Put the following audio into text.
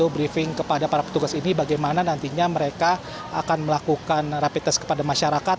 briefing kepada para petugas ini bagaimana nantinya mereka akan melakukan rapid test kepada masyarakat